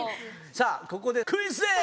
さあここでクイズです！